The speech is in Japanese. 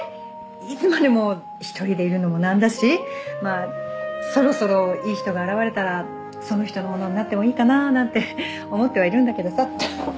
いつまでも１人でいるのもなんだしまあそろそろいい人が現れたらその人のものになってもいいかなあなんて思ってはいるんだけどさって。